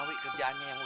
bakal selamutan pun